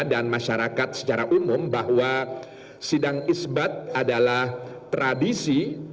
dan masyarakat secara umum bahwa sidang isbat adalah tradisi